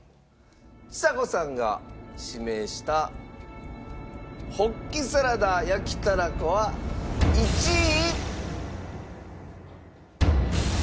ちさ子さんが指名したホッキサラダ焼きたらこは１位。